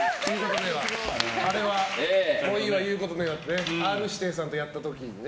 もういいわ言うことねえわってねＲ‐指定さんとやった時にね。